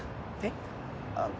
えっ？